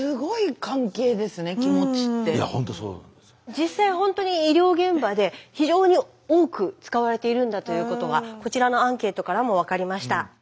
実際ほんとに医療現場で非常に多く使われているんだということはこちらのアンケートからも分かりました。